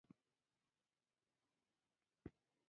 افلاطون د سقراط شاګرد ګڼل کیږي.